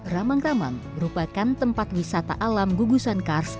ramang ramang merupakan tempat wisata alam gugusan kars